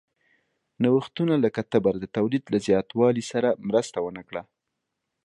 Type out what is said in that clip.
نوښتونه لکه تبر د تولید له زیاتوالي سره مرسته ونه کړه.